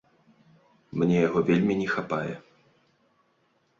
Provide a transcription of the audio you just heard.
Мне яго вельмі не хапае.